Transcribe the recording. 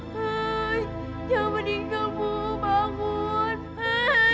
jangan meninggal bu bangun